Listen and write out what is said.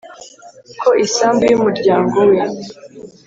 ko isambu y umuryango we